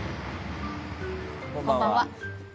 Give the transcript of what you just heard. こんばんは。